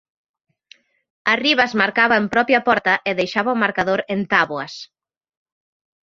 Arribas marcaba en propia porta e deixaba o marcador en táboas.